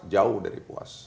jauh dari puas